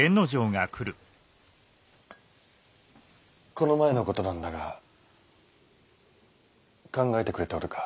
この前のことなんだが考えてくれておるか？